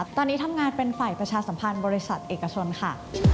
ตอนนี้ทำงานเป็นฝ่ายประชาสัมพันธ์บริษัทเอกชนค่ะ